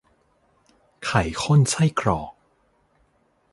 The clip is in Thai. ไข่ข้นไส้กรอก